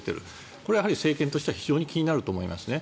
これは政権としては非常に気になると思います。